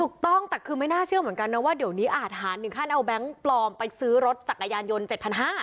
ถูกต้องแต่คือไม่น่าเชื่อเหมือนกันนะว่าเดี๋ยวนี้อาหารถึงขั้นเอาแบงค์ปลอมไปซื้อรถจักรยานยนต์๗๕๐๐บาท